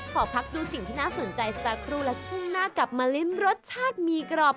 ขอพักดูสิ่งที่น่าสนใจสักครู่และช่วงหน้ากลับมาลิ้มรสชาติหมี่กรอบ